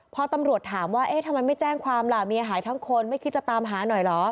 พอตำรวจถามว่าเอ๊ะทำไมไม่แจ้งความล่ะเมียหายทั้งคนไม่คิดจะตามหาหน่อยเหรอ